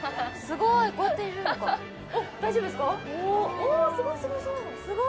すごいこうやって入れるのか大丈夫ですか？